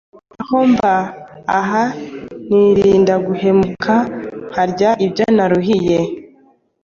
Aho mba aha nirinda guhemuka nkarya ibyo naruhiye.